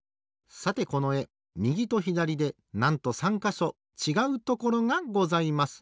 さてこのえみぎとひだりでなんと３かしょちがうところがございます。